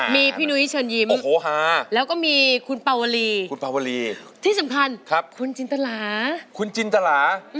มีพี่นุ้ยเชิญยิ้มแล้วก็มีคุณปาวรีห์ที่สำคัญคุณจินตะลาคุณจินตะลา